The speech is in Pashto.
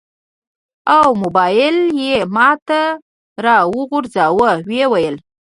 او موبایل یې ماته راوغورځاوه. و یې ویل: